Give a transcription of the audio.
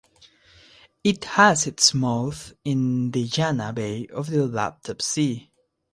It has its mouth in the Yana Bay of the Laptev Sea.